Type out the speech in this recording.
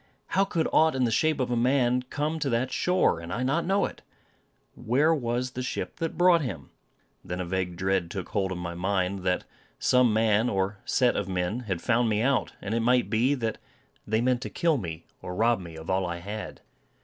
How could aught in the shape of a man come to that shore, and I not know it? Where was the ship that brought him? Then a vague dread took hold of my mind, that some man, or set of men, had found me out; and it might be, that they meant to kill me, or rob me of all I had.